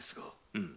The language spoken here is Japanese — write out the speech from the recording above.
うん。